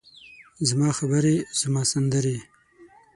زما خبرې، زما سندرې،